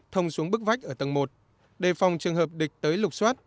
thông xuống bức vách ở tầng một đề phòng trường hợp địch tới lục xoát